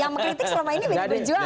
yang mengkritik selama ini pdip berjuangan